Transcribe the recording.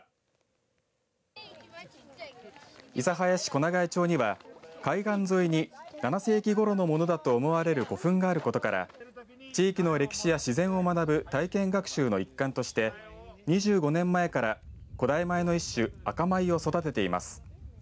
小長井町には海岸沿いに７世紀ごろのものだと思われる古墳があることから地域の歴史や自然を学ぶ体験学習の一環として２５年前から古代米の一種赤米を育てています。